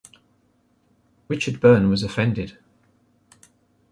Richard Byrne was offended.